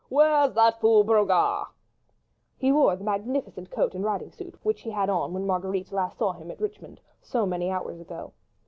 Where's that fool Brogard?" He wore the magnificent coat and riding suit which he had on when Marguerite last saw him at Richmond, so many hours ago.